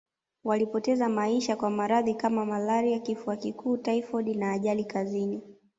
Walipoteza maisha kwa maradhi kama malaria Kifua kikuu taifodi na ajali kazini